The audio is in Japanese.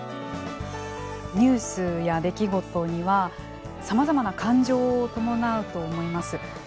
ニュースや出来事にはさまざまな感情を伴うと思います。